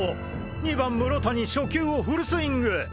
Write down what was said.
２番室谷初球をフルスイング！？